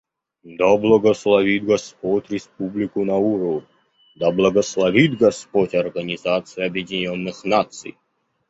Да благословит Господь Республику Науру, да благословит Господь Организацию Объединенных Наций!